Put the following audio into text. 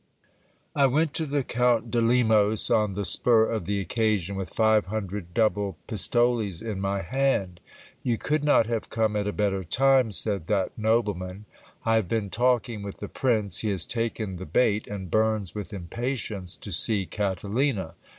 I went to the Count de Lemos on the spur, of the occasion, with five hun dred double pistoles in my hand. You could not have come at a better time, said that nobleman. I have been talking with the prince ; he has taken the bait, and burns with impatience to see Catalina.